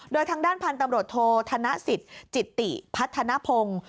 โดยทางด้านพันธุ์กำรดโทรธนสิจจิตติพัทธนพงศ์